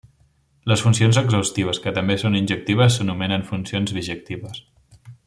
Les funcions exhaustives que també són injectives s'anomenen funcions bijectives.